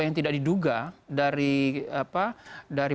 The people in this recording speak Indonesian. yang tidak diduga dari